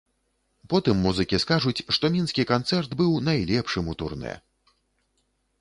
Потым музыкі скажуць, што мінскі канцэрт быў найлепшым у турнэ.